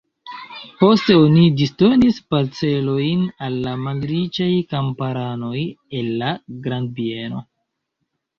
Poste oni disdonis parcelojn al la malriĉaj kamparanoj el la grandbieno.